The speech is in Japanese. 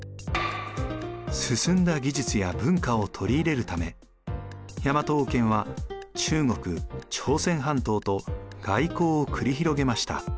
進んだ技術や文化を取り入れるため大和王権は中国朝鮮半島と外交を繰り広げました。